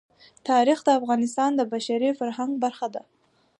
تاریخ د افغانستان د بشري فرهنګ برخه ده.